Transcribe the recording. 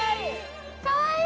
かわいい！